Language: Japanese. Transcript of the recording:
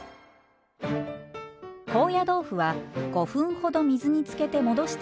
高野豆腐は５分ほど水につけて戻した